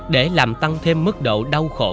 để làm tăng thêm mức độ đau khổ